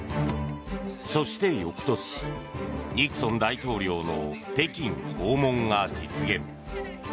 そして、翌年ニクソン大統領の北京訪問が実現。